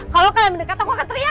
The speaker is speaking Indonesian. kalau kalian mendekat aku akan teriak